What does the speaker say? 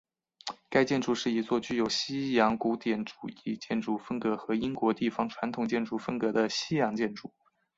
该建筑是一座具有西洋古典主义建筑风格和英国地方传统建筑风格的西洋建筑。